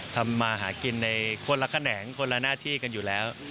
ทำมาหากินในคนละแขนงคนละหน้าที่กันอยู่แล้ว